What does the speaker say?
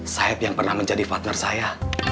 side yang pernah menjadi partner saya